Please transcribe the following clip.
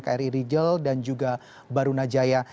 kri rigel dan juga barunajaya